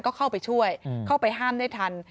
ก็เข้าไปช่วยเข้าไปห้ามได้ทัน